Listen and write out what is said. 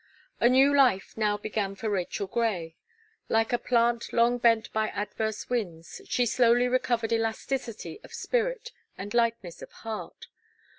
A new life now began for Rachel Gray. Like a plant long bent by adverse winds, she slowly recovered elasticity of spirit, and lightness of heart.